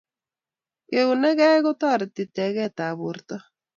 keunekei kotoreti teket ap porto